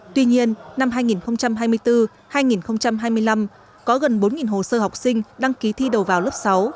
tuy nhiên năm hai nghìn hai mươi bốn hai nghìn hai mươi năm có gần bốn hồ sơ học sinh đăng ký thi đầu vào lớp sáu